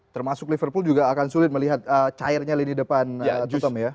termasuk liverpool juga akan sulit melihat cairnya lini depan twitterm ya